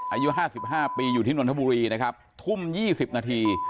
อายุห้าสิบห้าปีอยู่ที่นทบุรีนะครับทุ่มยี่สิบนาที